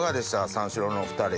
三四郎のお２人。